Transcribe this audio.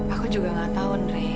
aku juga gak tahu andre